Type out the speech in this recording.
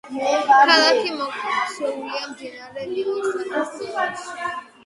ქალაქი მოქცეულია მდინარე ნილოსის დელტაში.